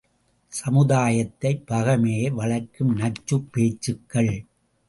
சமுதாயப் பகைமையை வளர்க்கும் நச்சுப் பேச்சுக்கள்!